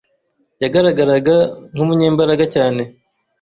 yagaragaraga nk’umunyembaraga cyane